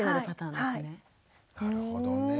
なるほどね。